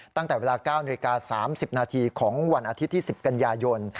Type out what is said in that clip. ตั้งแต่เวลา๙นาฬิกา๓๐นาทีของวันอาทิตย์ที่๑๐กันยายน